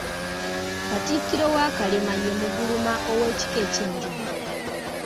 Katikkiro wa Kalema ye Muguluma ow'ekika ky'Enjovu.